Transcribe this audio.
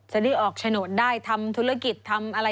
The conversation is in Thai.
จะได้ออกชโนดได้ทำธุรกิจทำอะไรต่างได้